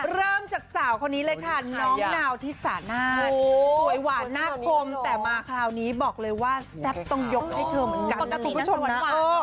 เริ่มจากสาวคนนี้เลยค่ะน้องนาวที่สานาศสวยหวานหน้าคมแต่มาคราวนี้บอกเลยว่าแซ่บต้องยกให้เธอเหมือนกันนะคุณผู้ชมนะ